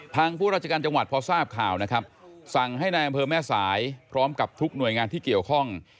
ผู้ราชการจังหวัดพอทราบข่าวนะครับสั่งให้นายอำเภอแม่สายพร้อมกับทุกหน่วยงานที่เกี่ยวข้อง